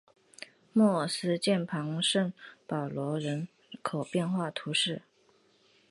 莫内斯捷旁圣保罗人口变化图示